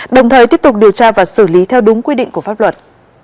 đồng thời tiếp tục điều tra và xử lý theo đúng quy định của pháp luật